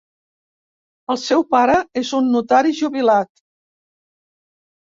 El seu pare és un notari jubilat.